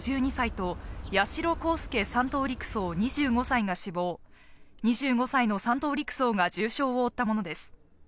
親１等陸曹・５２歳と八代航佑３等陸曹・２５歳が死亡、２５歳の３等陸曹が重傷を負ったものです。